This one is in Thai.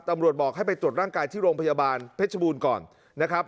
บอกให้ไปตรวจร่างกายที่โรงพยาบาลเพชรบูรณ์ก่อนนะครับ